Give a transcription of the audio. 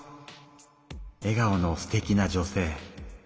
えがおのすてきな女性。